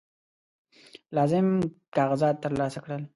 لازم کاغذات ترلاسه کړل.